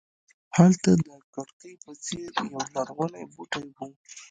هلته د کړکۍ په څېر یولرغونی بوټی و.